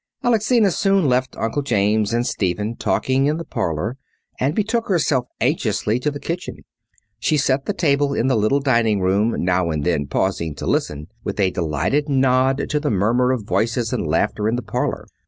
Alexina soon left Uncle James and Stephen talking in the parlour and betook herself anxiously to the kitchen. She set the table in the little dining room, now and then pausing to listen with a delighted nod to the murmur of voices and laughter in the parlour.